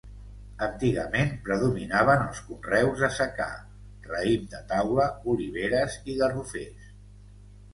Antigament predominaven els conreus de secà: raïm de taula, oliveres i garrofers.